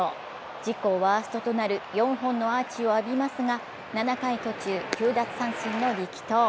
自己ワーストとなる４本のアーチを浴びますが７回途中９奪三振の力投。